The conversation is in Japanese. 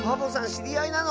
しりあいなの？